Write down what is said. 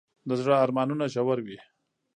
د زړه ارمانونه ژور وي.